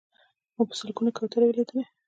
ما په سلګونه کوترې ولیدلې.